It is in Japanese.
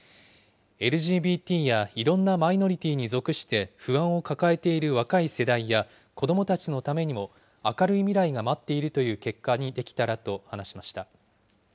ＬＧＢＴやいろんなマイノリティーに属して不安を抱えている若い世代や子どもたちのためにも、明るい未来が待っているという結果にできたらと話しました。